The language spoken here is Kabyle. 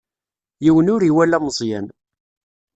Yiwen ur iwala Meẓyan.